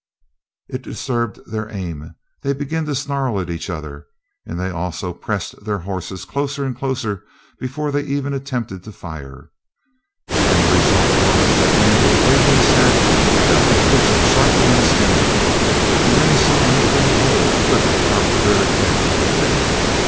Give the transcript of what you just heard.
It disturbed their aim. They began to snarl at each other, and they also pressed their horses closer and closer before they even attempted to fire. And the result was that Andy, waving his hat, felt it twitch sharply in his hand, and then he saw a neat little hole clipped out of the very edge of the brim.